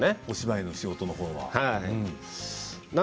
お芝居の仕事のほうは。